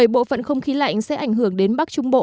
bộ phận không khí lạnh sẽ ảnh hưởng đến bắc trung bộ